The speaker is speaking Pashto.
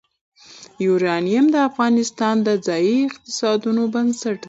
یورانیم د افغانستان د ځایي اقتصادونو بنسټ دی.